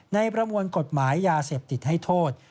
ประมวลกฎหมายยาเสพติดให้โทษ